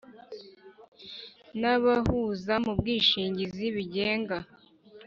n’ abahuza mu bwishingizi bigenga